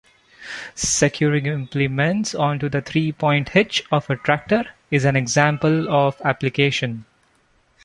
Securing implements onto the three-point hitch of a tractor is an example of application.